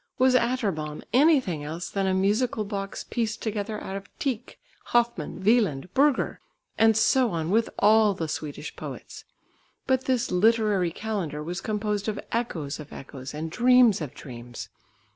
Was Atterbom anything else than a musical box pieced together out of Tieck, Hoffmann, Wieland, Burger? And so on with all the Swedish poets. But this Literary Calendar was composed of echoes of echoes and dreams of dreams.